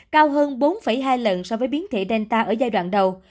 cao hơn bốn hai lần so với biến thể delta ở giai đoạn đầu